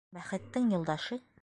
Бәхеттең юлдашы —